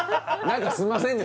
何か「何かすいません」